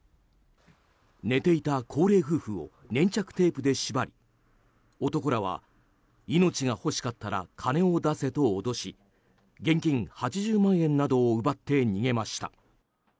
寝ていた高齢夫婦を粘着テープで縛り男らは命が欲しかったら金を出せと脅し現金８０万円などを奪って逃げました。